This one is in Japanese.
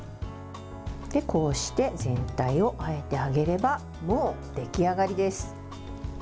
こうして、全体をあえてあげればもう出来上がりです。